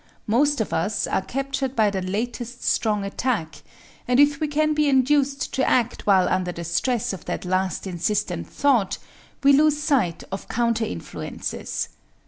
Most of us are captured by the latest strong attack, and if we can be induced to act while under the stress of that last insistent thought, we lose sight of counter influences.